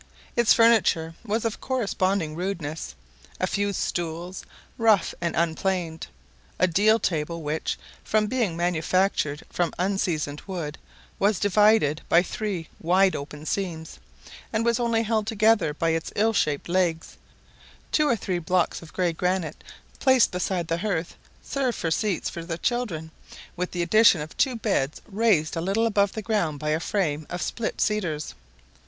Its furniture was of corresponding rudeness; a few stools, rough and unplaned; a deal table, which, from being manufactured from unseasoned wood, was divided by three wide open seams, and was only held together by its ill shaped legs; two or three blocks of grey granite placed beside the hearth served for seats for the children, with the addition of two beds raised a little above the ground by a frame of split cedars.